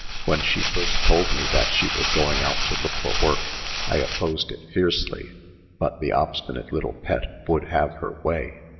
When she first told me that she was going out to look for work, I opposed it fiercely; but the obstinate little Pet would have her way.